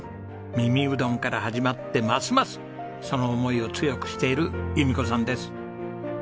耳うどんから始まってますますその思いを強くしている由美子さんです。